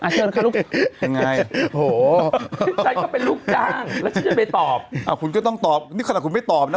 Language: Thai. เชิญค่ะลูกจ้างแล้วฉันจะไปตอบคุณก็ต้องตอบนี่ขนาดคุณไม่ตอบนะ